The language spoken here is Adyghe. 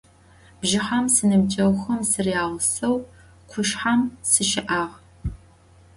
Bjjıhem sinıbceğuxem sıryağuseu khuşshem sışı'ağ.